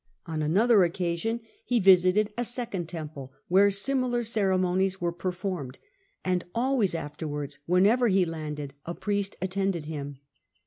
On anotlier occasion he visited a second temple, where similar cere monies were performed, and always afterwanls whenever he landed a priest attended him.